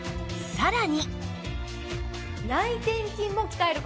さらに。